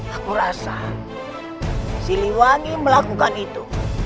aku rasa siliwangi melakukan itu